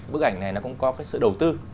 bức ảnh này nó cũng có sự đầu tư